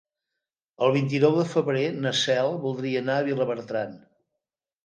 El vint-i-nou de febrer na Cel voldria anar a Vilabertran.